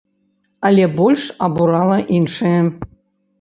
Але больш абурала іншае.